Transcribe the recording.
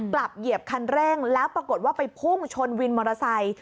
เหยียบคันเร่งแล้วปรากฏว่าไปพุ่งชนวินมอเตอร์ไซค์